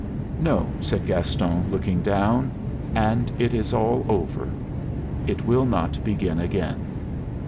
"No," said Gaston, looking down. "And it is all over. It will not begin again.